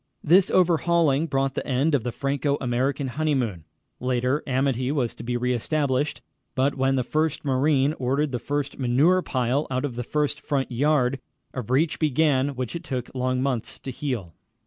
This overhauling brought the end of the Franco American honeymoon. Later, amity was to be re established, but when the first marine ordered the first manure pile out of the first front yard, a breach began which it took long months to heal.